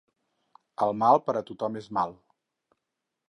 El mal per a tothom és mal.